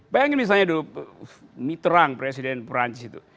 bayangin misalnya dulu mitra presiden perancis itu